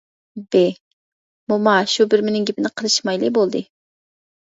ب:موما شۇ بىرمىنىڭ گېپىنى قىلىشمايلى بولدى.